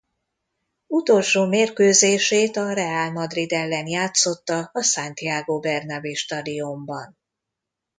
Utolsó mérkőzését a Real Madrid ellen játszotta a Santiago Bernabéu stadionban.